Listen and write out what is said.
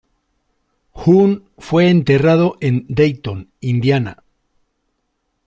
Hoon fue enterrado en Dayton, Indiana.